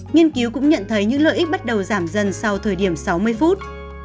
nghiên cứu cũng nhận thấy những lợi ích bắt đầu giảm dần sau thời điểm sáu mươi phút